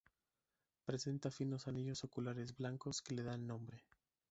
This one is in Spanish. Presenta finos anillos oculares blancos que le dan nombre.